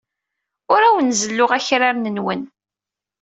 Ur awen-zelluɣ akraren-nwen.